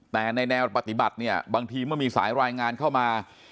แต่ในแนวปฏิบัติเนี่ยบางทีเมื่อมีสายรายงานเข้ามา